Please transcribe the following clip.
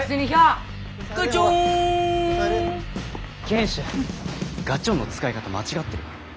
賢秀ガチョンの使い方間違ってる。